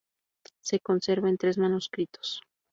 Se conserva en tres manuscritos.